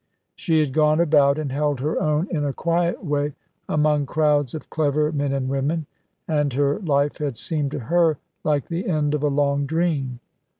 She had gone about, and held her own, in a quiet way, among crowds of clever men and women, and her life had seemed to her like the end of a long dream.